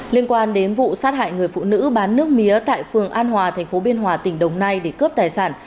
liên quan đến vụ sát hại người phụ nữ bán nước mía tại phường an hòa thành phố biên hòa tỉnh đồng nai để cướp tài sản